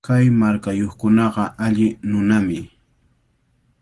Kay markayuqkunaqa alli nunami.